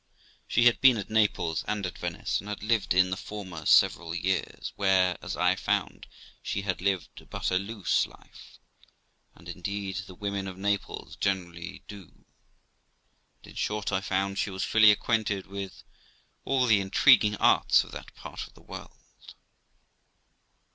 She had been at Naples and at Venice, and had lived in the former several years, where, as I found, she had lived but a loose life, and indeed the women of Naples generally do; and, in short, I found she was fully acquainted with all the intriguing arts of that part of the world.